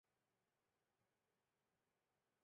克什米尔语是克什米尔邦的主要语言。